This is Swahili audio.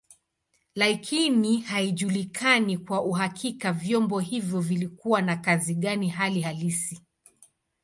Lakini haijulikani kwa uhakika vyombo hivyo vilikuwa na kazi gani hali halisi.